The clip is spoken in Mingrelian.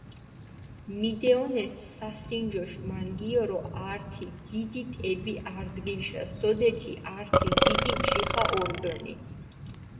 მიდეჸონეს სასინჯოშ მანგიორო ართი დიდი ტები არდგილიშა, სოდეთი ართი დიდი ჯიხა ორდჷნი.